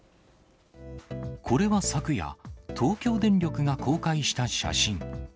これは昨夜、東京電力が公開した写真。